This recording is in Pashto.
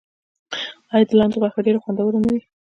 آیا د لاندي غوښه ډیره خوندوره نه وي؟